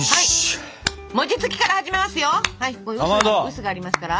臼がありますから。